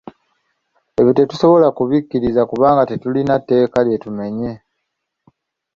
Ebyo tetusobola kubikkiriza kubanga tetulina tteeka lye tumenye.